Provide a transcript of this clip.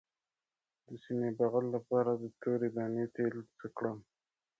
د سینې بغل لپاره د تورې دانې تېل څه کړم؟